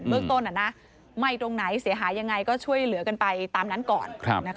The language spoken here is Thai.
เมืองต้นไหม้ตรงไหนเสียหายยังไงก็ช่วยเหลือกันไปตามนั้นก่อน